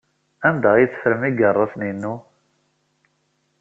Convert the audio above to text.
Anda ay teffremt igeṛṛuten-inu?